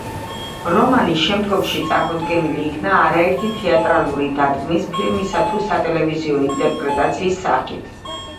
რომანი შემდგომში წარმოდგენილი იქნა არაერთი თეატრალური დადგმის, ფილმისა თუ სატელევიზიო ინტერპრეტაციის სახით.